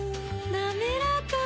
なめらか！